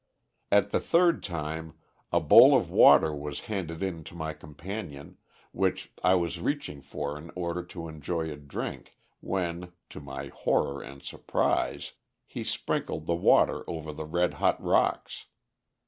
At the third time a bowl of water was handed in to my companion, which I was reaching for in order to enjoy a drink, when, to my horror and surprise, he sprinkled the water over the red hot rocks.